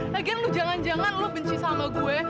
lagian lu jangan jangan lo benci sama gue